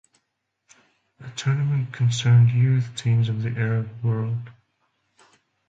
The tournament concerned youth teams of the Arab world.